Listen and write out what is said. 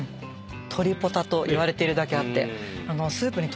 鶏ポタといわれているだけあって。